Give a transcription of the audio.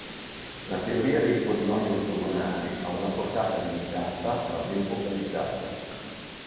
La teoria dei polinomi ortogonali ha una portata limitata ma ben focalizzata.